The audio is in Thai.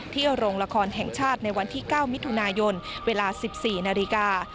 โรงละครแห่งชาติในวันที่๙มิถุนายนเวลา๑๔นาฬิกา